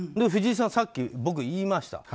藤井さんはさっき僕に言いました。